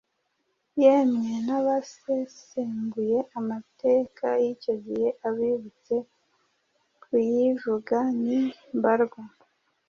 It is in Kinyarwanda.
Yemwe n'abasesenguye amateka y'icyo gihe abibutse kuyivuga ni mbarwa